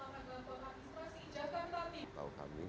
udah diperlukan peradistrasi jakarta